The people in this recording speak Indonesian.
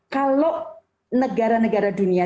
kalau negara negara dunia